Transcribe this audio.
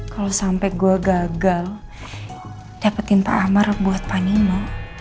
kalau sampai gue gagal dapetin pak amar buat panimo